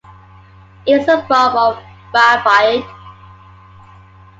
It is a form of raphide.